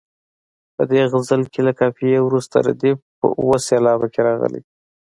په دې غزل کې له قافیې وروسته ردیف په اوه سېلابه کې راغلی.